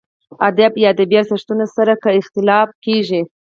ادب یا ادبي ارزښتونو سره که اختلاف کېږي.